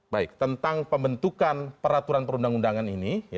baik tentang pembentukan peraturan perundang undangan ini